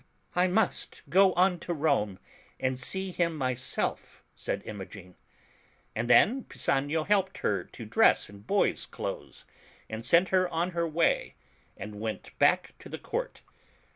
*'l must go on to Rome, and see him myself," said Imogen. And then Pisanio helped her to dress in boy's clothes, and sent her on her way, and went back to the Court.